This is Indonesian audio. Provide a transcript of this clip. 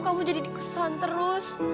kamu jadi dikesan terus